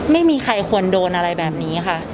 ไม่มีใครควรโดนอะไรแบบนี้ค่ะ